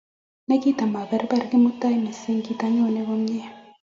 Nekitamaberber Kimutai mising, kitanoe komye